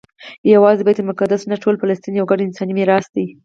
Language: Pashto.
یوازې بیت المقدس نه ټول فلسطین یو ګډ انساني میراث دی.